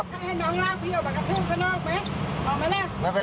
ไม่เป็นไรครับพี่ไม่เป็นไรครับ